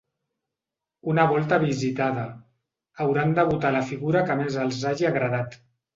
Una volta visitada, hauran de votar la figura que més els hagi agradat.